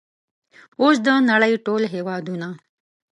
اوس د نړۍ ټول هیوادونه